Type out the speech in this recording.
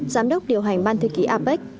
giám đốc điều hành ban thư ký apec